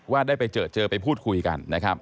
ว่าได้ไปเจอไปพูดคุยกันนะครับ